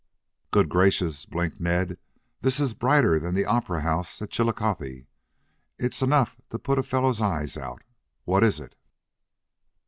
"Good gracious," blinked Ned. "This is brighter than the opera house at Chillicothe. It's enough to put a fellow's eyes out. What is it?"